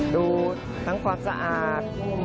ดูทั้งความสะอาด